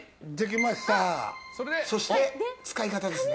そして、使い方ですね。